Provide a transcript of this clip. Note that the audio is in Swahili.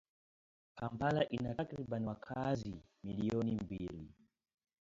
Kampala ina takribani wakazi milioni mbili